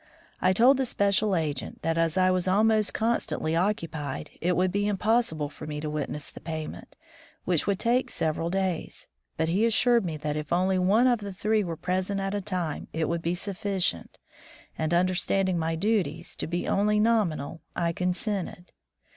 I told the special agent that, as I was almost constantly occupied, it would be impossible for me to witness the payment, which would take several days; but he assured me that if only one of the three were present at a time it would be sufficient, and, understanding my duties to be only nominal, I consented.